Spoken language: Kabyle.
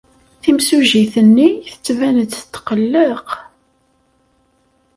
Timsujjit-nni tettban-d tetqelleq.